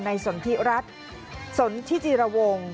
สนทิรัฐสนทิจิรวง